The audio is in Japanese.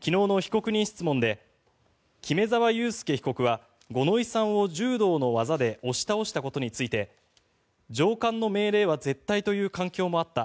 昨日の被告人質問で木目沢佑輔被告は五ノ井さんを柔道の技で押し倒したことについて上官の命令は絶対という環境もあった